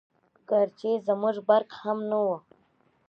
ګرچې زموږ برق هم نه وو🤗